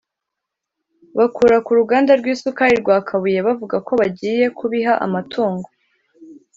bakura ku ruganda rw’isukari rwa Kabuye bavuga ko bagiye kubiha amatungo